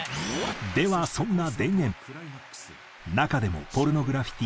ではそんな『田園』中でもポルノグラフィティ